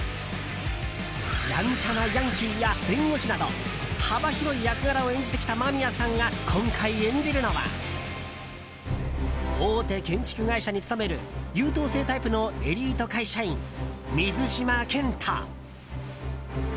やんちゃなヤンキーや弁護士など幅広い役柄を演じてきた間宮さんが今回演じるのは大手建築会社に勤める優等生タイプのエリート会社員水島健人。